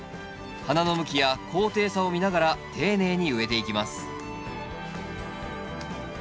花の向きや高低差を見ながら丁寧に植えていきます